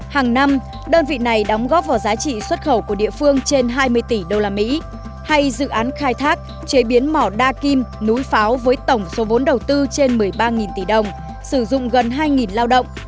hàng năm đơn vị này đóng góp vào giá trị xuất khẩu của địa phương trên hai mươi tỷ usd hay dự án khai thác chế biến mỏ đa kim núi pháo với tổng số vốn đầu tư trên một mươi ba tỷ đồng sử dụng gần hai lao động